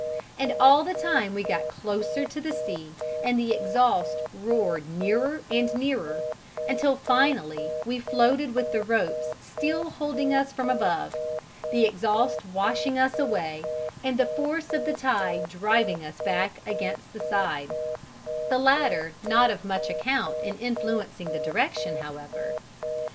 And all the time we got closer to the sea and the exhaust roared nearer and nearer until finally we floated with the ropes still holding us from above, the exhaust washing us away and the force of the tide driving us back against the side, the latter not of much account in influencing the direction, however.